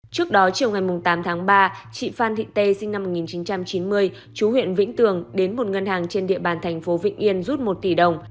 trước đó chiều ngày tám tháng ba chị phan thị tê sinh năm một nghìn chín trăm chín mươi chú huyện vĩnh tường đến một ngân hàng trên địa bàn thành phố vĩnh yên rút một tỷ đồng